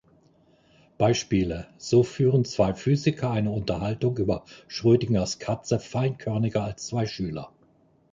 Beispiele: So führen zwei Physiker eine Unterhaltung über Schrödingers Katze feinkörniger als zwei Schüler.